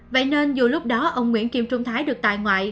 vậy nên dù lúc đó ông nguyễn kiêm trung thái được tài ngoại